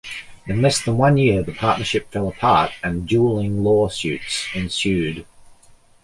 In less than one year the partnership fell apart and dueling lawsuits ensued.